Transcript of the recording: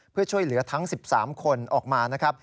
เพื่อช่วยเหลือทั้ง๑๓คนออกมานะครับ